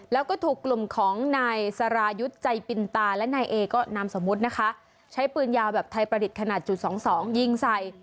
แล้วก็ถูกกลุ่มของนายสรายุทธ์ใจปินตาและนายเอก็นามสมมุตินะคะใช้ปืนยาวแบบไทยประดิษฐ์ขนาดจุดสองสองยิงใส่